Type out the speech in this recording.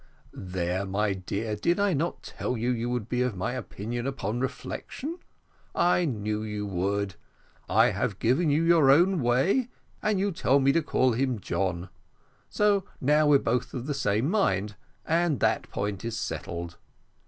"There, my dear, did not I tell you, you would be of my opinion upon reflection? I knew you would. I have given you your own way, and you tell me to call him John; so now we're both of the same mind, and that point is settled."